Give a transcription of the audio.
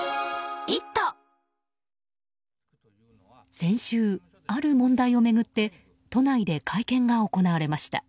先週、ある問題を巡って都内で会見が行われました。